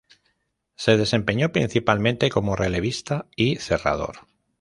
Se desempeñó principalmente como relevista y cerrador.